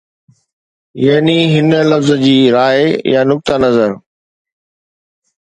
يعني هن لفظ جي راءِ يا نقطه نظر